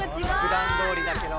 ふだんどおりだけど。